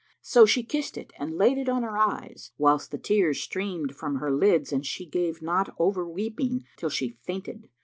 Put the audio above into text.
So she kissed it and laid it on her eyes, whilst the tears streamed from her lids and she gave not over weeping, till she fainted.